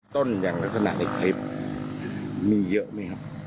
ต้นอย่างลักษณะในคลิปมีเยอะไหมครับ